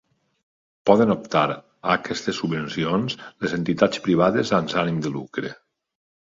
Poden optar a aquestes subvencions les entitats privades sense ànim de lucre.